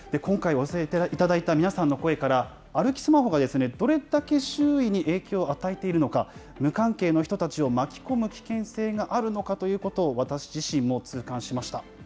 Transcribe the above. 今回お寄せいただいた皆さんの声から、歩きスマホがどれだけ周囲に影響を与えているのか、無関係の人たちを巻き込む危険性があるのかということを、私自身も痛感しました。